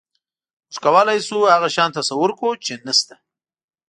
موږ کولی شو هغه شیان تصور کړو، چې نهشته.